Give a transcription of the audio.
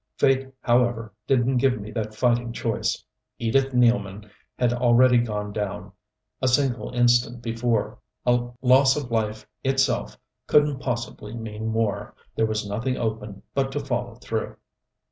Fate, however, didn't give me that fighting choice. Edith Nealman had already gone down, a single instant before. Loss of life itself couldn't possibly mean more. There was nothing open but to follow through.